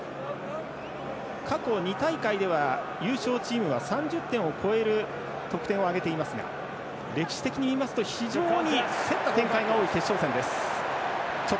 過去２大会では優勝チームは３０点を超える得点を挙げていますが歴史的にいいますと非常に競った展開が多い決勝戦。